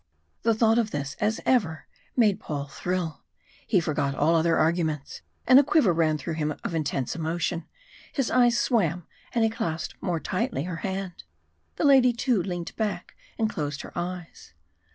The thought of this, as ever, made Paul thrill; he forgot all other arguments, and a quiver ran through him of intense emotion; his eyes swam and he clasped more tightly her hand. The lady, too, leant back and closed her eyes.